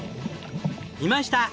いました！